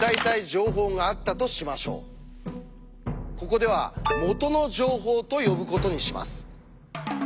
ここでは「元の情報」と呼ぶことにします。